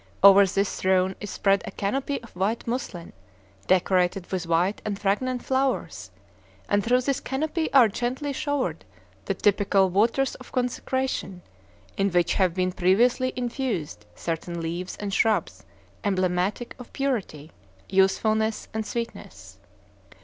Over this throne is spread a canopy of white muslin, decorated with white and fragrant flowers, and through this canopy are gently showered the typical waters of consecration, in which have been previously infused certain leaves and shrubs emblematic of purity, usefulness, and sweetness.